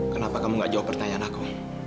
kenapa kamu gak jawab pertanyaan aku